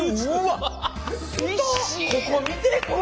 ここ見てこれ。